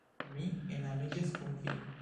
Mi enamiĝas kun vi!